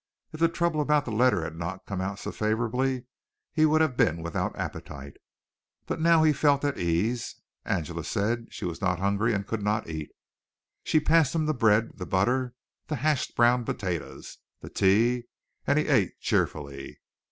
If the trouble about the letter had not come out so favorably he would have been without appetite, but now he felt at ease. Angela said she was not hungry and could not eat. She passed him the bread, the butter, the hashed brown potatoes, the tea, and he ate cheerfully.